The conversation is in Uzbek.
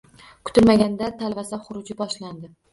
Kutilmaganda talvasa xuruji boshlandi